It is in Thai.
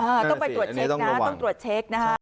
ต้องไปตรวจเช็คนะต้องตรวจเช็คนะฮะ